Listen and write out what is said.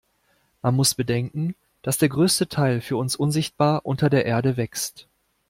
Man muss bedenken, dass der größte Teil für uns unsichtbar unter der Erde wächst.